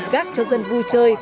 gác cho dân vui chơi